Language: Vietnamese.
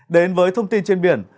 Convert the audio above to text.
đến với thông tin trên biển